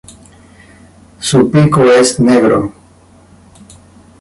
Su pico es negro.